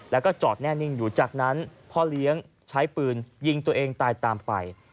แล้วก็จอดแน่นิ่งอยู่จากนั้นพ่อเลี้ยงใช้ปืนยิงตัวเองตายตามไป